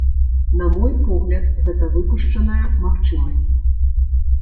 На мой погляд, гэта выпушчаная магчымасць.